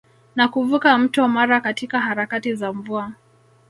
Na kuvuka mto Mara katika harakati za mvua